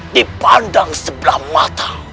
dipandang sebelah mata